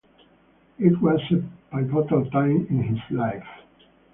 It was a pivotal time in his life.